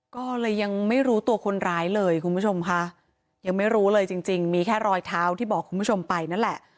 ก็เลยยังไม่รู้ตัวคนร้ายเลยคุณผู้ชมค่ะยังไม่รู้เลยจริงจริงมีแค่รอยเท้าที่บอกคุณผู้ชมไปนั่นแหละ